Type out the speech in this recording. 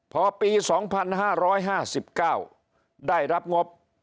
พอปี๒๕๕๙ได้รับงบ